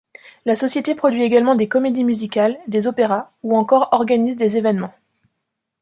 La société produit également des comédies musicales, des opéras, ou encore organise des événements.